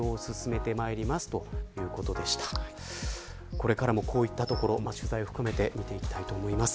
これからもこういったところ取材を含めて見ていきたいと思います。